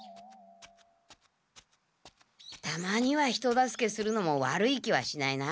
たまには人助けするのも悪い気はしないな。